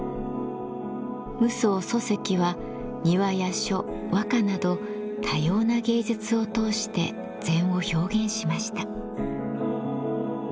夢窓疎石は庭や書和歌など多様な芸術を通して禅を表現しました。